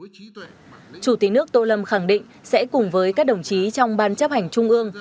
chủ tịch nước tô lâm khẳng định sẽ cùng với các đồng chí trong ban chấp hành trung ương